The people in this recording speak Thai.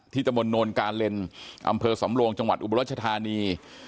ที่ตมนต์นวลการเล่นอำเภอสำโลงจังหวัดอุบรชธานี